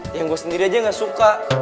yang gue sendiri aja gak suka